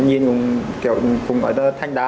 nhìn cũng ở đây thanh đá